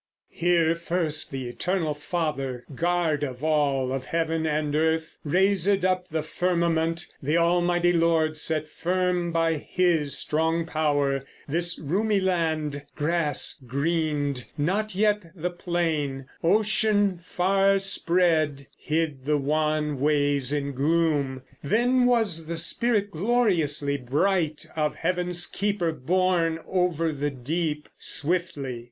Here first the Eternal Father, guard of all, Of heaven and earth, raisèd up the firmament, The Almighty Lord set firm by His strong power This roomy land; grass greened not yet the plain, Ocean far spread hid the wan ways in gloom. Then was the Spirit gloriously bright Of Heaven's Keeper borne over the deep Swiftly.